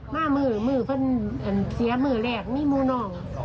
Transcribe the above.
มามือมือเพิ่งเสียมือแหลกมีมูนอง